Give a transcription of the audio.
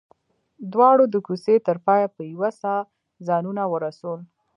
دواړو د کوڅې تر پايه په يوه ساه ځانونه ورسول.